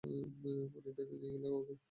মানে, টেনে নিয়ে গেলো ওকে।